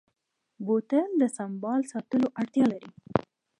بوتل د سنبال ساتلو اړتیا لري.